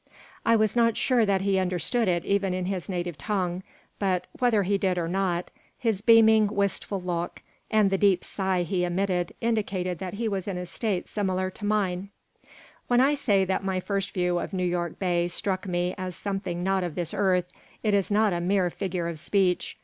I was not sure that he understood it even in his native tongue, but, whether he did or not, his beaming, wistful look and the deep sigh he emitted indicated that he was in a state similar to mine When I say that my first view of New York Bay struck me as something not of this earth it is not a mere figure of speech.